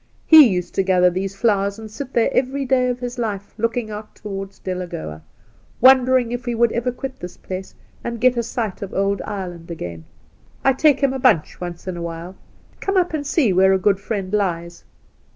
He used to gather these flowe^s}and sit there every day of his •life Japing out towards Delagoa, wondering if we would ever quit this place and get a sight of old Ireland again. I take him a bunch once in a while. Come up and see where a good friend lies."